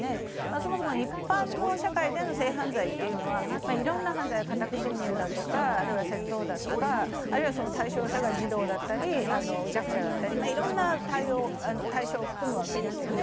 そもそも一般の社会での性犯罪というのは色んな犯罪、家宅侵入だとかあるいは窃盗だとかあるいは対象者が児童だったり弱者だったり色んな対象を含むわけですよね。